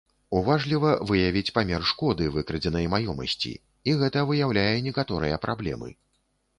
Уважліва выявіць памер шкоды выкрадзенай маёмасці, і гэта выяўляе некаторыя праблемы.